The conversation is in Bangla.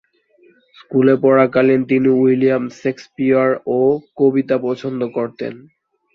স্কুলে পড়াকালীন তিনি উইলিয়াম শেকসপিয়র ও কবিতা পছন্দ করতেন।